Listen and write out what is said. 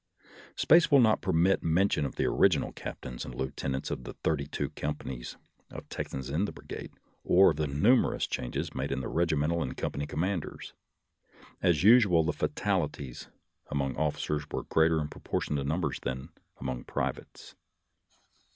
Space will not permit mention of the original captains and lieutenants of the thirty two com panies of Texans in the brigade, or of the numer ous changes made in regimental and company commanders. As usual, the fatalities among of ficers were greater in proportion to numbers than among privates.